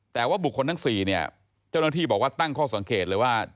แต่ว่าบุคคลทั้ง๔เนี่ยเจ้าหน้าที่บอกว่าตั้งข้อสังเกตเลยว่า